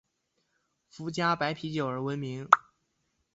福佳白啤酒而闻名。